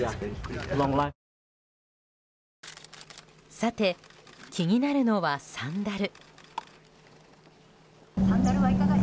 さて、気になるのはサンダル。